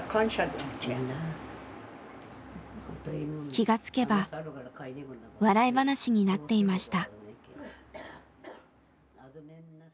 気がつけば笑い話になっていました。